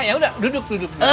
ya udah duduk duduk